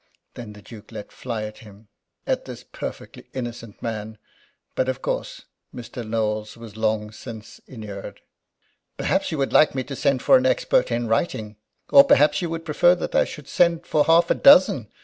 Then the Duke let fly at him at this perfectly innocent man. But, of course, Mr. Knowles was long since inured. "Perhaps you would like me to send for an expert in writing? Or perhaps you would prefer that I should send for half a dozen?